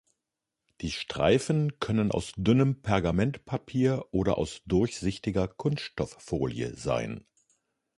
Die Streifen können aus dünnem Pergamentpapier oder aus durchsichtiger Kunststofffolie sein.